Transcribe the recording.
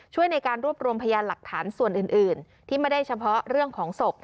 ช่วยในการรวบรวมพยานหลักฐานส่วนอื่นที่ไม่ได้เฉพาะเรื่องของศพ